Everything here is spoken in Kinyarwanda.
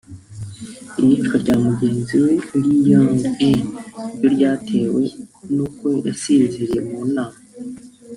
iyicwa rya mugenzi we Ri Yong Jin ryo ryatewe n’uko yasinziriye mu nama